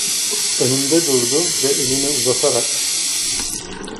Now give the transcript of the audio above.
Önümde durdu ve elini uzatarak.